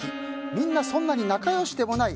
みんなそんなに仲良しでもない